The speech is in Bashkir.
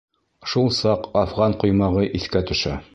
Шул саҡ Афған ҡоймағы иҫкә төшә...